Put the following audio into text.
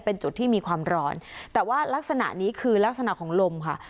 เป็นจุดที่มีความร้อนแต่ว่ารักษณะนี้คือลักษณะของลมค่ะ